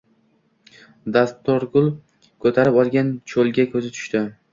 Dastorgul ko’tarib olgan cholga ko’zi tushdi.